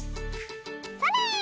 それ！